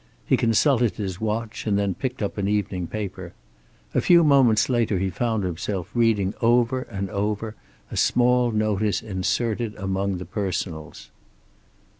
He consulted his watch and then picked up an evening paper. A few moments later he found himself reading over and over a small notice inserted among the personals.